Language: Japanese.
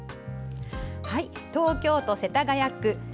東京都世田谷区